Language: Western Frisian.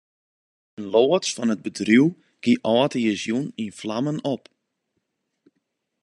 In loads fan it bedriuw gie âldjiersjûn yn flammen op.